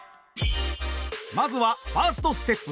まずはファーストステップ。